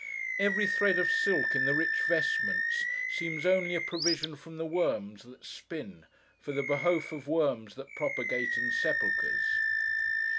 Every thread of silk in the rich vestments seems only a provision from the worms that spin, for the behoof of worms that propagate in sepulchres.